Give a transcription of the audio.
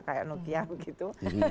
kayak nokia begitu